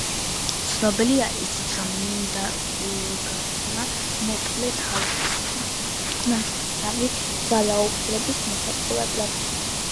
ცნობილია ისიც, რომ მინდაუგასმა მოკლა თავისი ნათესავი ძალაუფლების მოსაპოვებლად.